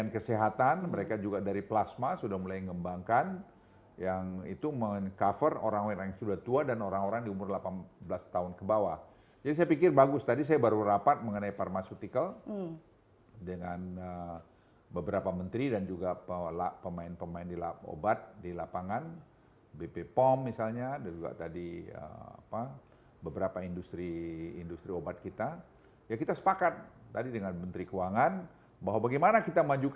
kesehatan kita pharmaceutical kita